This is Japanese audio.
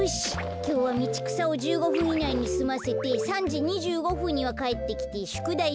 きょうはみちくさを１５ふんいないにすませて３じ２５ふんにはかえってきてしゅくだいします。